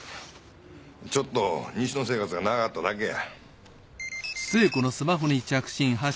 ちょっと西の生活が長かっただけや。